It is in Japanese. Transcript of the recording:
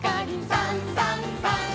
「さんさんさん」